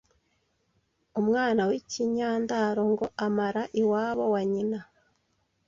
Umwana w’ikinyandaro ngo amara iwabo wa nyina